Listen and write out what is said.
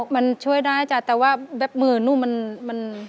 มันช่วยได้จ้ะแต่ว่าแบบมือหนูมัน